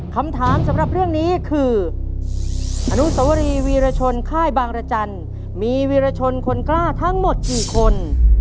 คำถามสำหรับเรื่องนี้คืออนุสวรีวีรชนค่ายบางรจันทร์มีวีรชนคนกล้าทั้งหมดกี่คน